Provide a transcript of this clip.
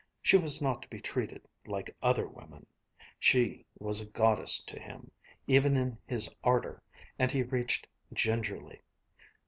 She was not to be treated like other women. She was a goddess to him, even in his ardor, and he reached gingerly.